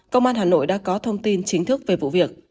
công an hà nội đã có thông tin chính thức về vụ việc